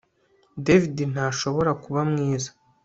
David ntashobora kuba mwiza